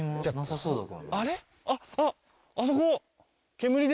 あっあそこ。